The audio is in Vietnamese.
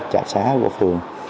trạm xã của phường